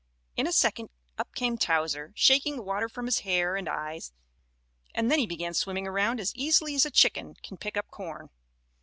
In a second up came Towser, shaking the water from his hair and eyes, and then he began swimming around as easily as a chicken can pick up corn.